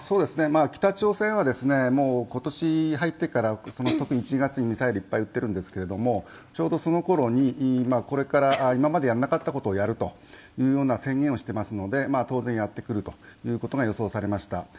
北朝鮮は今年に入ってから特に１月にミサイルをいっぱい撃っているんですけれどもちょうどその頃に、これから今までやらなかったことをやると宣言をしていますので当然やってくるということが予想されました。